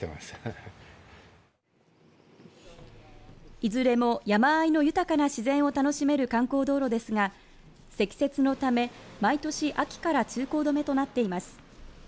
いずれも山あいの豊かな自然を楽しめる観光道路ですが積雪のため毎年秋から通行止めとなっています。